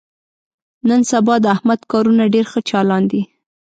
نن سبا د احمد کارونه ډېر ښه چالان دي.